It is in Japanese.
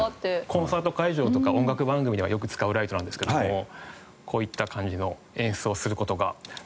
コンサート会場とか音楽番組ではよく使うライトなんですけれどもこういった感じの演出をする事ができます。